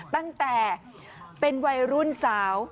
ตั้งแต่เป็นวัยรุ่นสาว